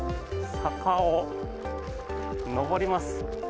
坂を上ります。